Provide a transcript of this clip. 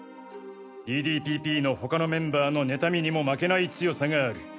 ＤＤＰＰの他のメンバーの妬みにも負けない強さがある。